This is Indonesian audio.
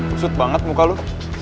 susut banget muka lo